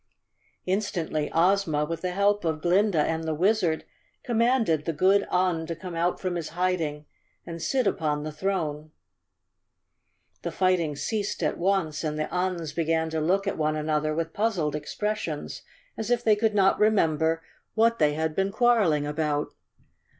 Instantly Ozma, with the help of Glinda and the Wizard, commanded the good Un to come out from his hiding and sit upon the throne. The fighting ceased at once and the Uns began to look at one another with puzzled expressions, as if they could not remember what they had been quar¬ reling about.